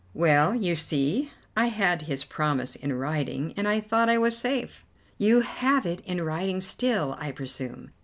"Well, you see, I had his promise in writing, and I thought I was safe." "You have it in writing still, I presume.